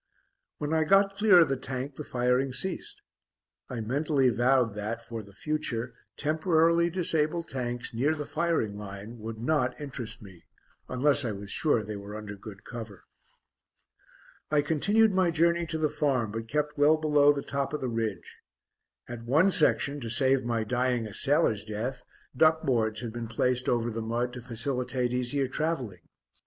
When I got clear of the Tank, the firing ceased. I mentally vowed that, for the future, temporarily disabled Tanks near the firing line would not interest me, unless I was sure they were under good cover. I continued my journey to the farm, but kept well below the top of the ridge. At one section, to save my dying a sailor's death, duck boards had been placed over the mud to facilitate easier travelling.